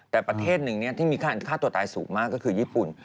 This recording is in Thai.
แต่ประเทศหนึ่งที่มีค่าตัวตายสูงมากก็คือญี่ปุ่น